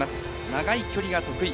長い距離が得意。